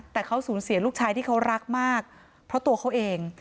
แต่เขาสูญเสียลูกชายที่เขารักมากเพราะตัวเขาเอง